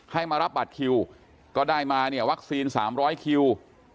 ให้มารับบัตรคิวก็ได้มาเนี่ยวัคซีน๓๐๐คิว